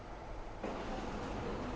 kinh tế phương nam